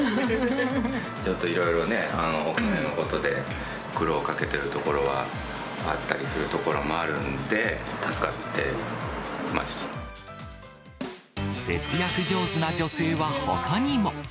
ちょっといろいろね、お金のことで苦労かけてるところはあったりするところもあるんで、節約上手な女性はほかにも。